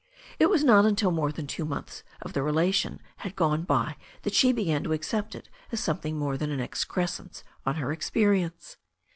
It was not until more than two months of the relation had gone by that she began to accept it as something more than an excrescence on her experience.